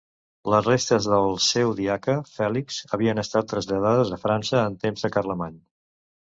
Les restes del seu diaca, Fèlix, havien estat traslladades a França en temps de Carlemany.